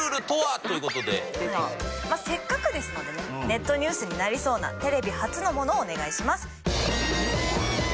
ネットニュースになりそうなテレビ初のものをお願いします。